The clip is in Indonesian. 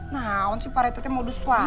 nanti pak rete mau disuai